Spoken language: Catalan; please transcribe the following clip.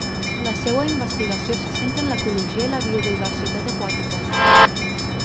La seua investigació se centra en l’ecologia i la biodiversitat aquàtica.